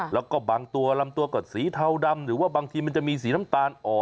แล้วก็บางตัวลำตัวก็สีเทาดำหรือว่าบางทีมันจะมีสีน้ำตาลอ่อน